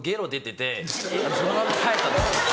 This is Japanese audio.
そのまま帰ったんですよ。